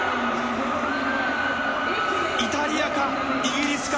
イタリアか、イギリスか。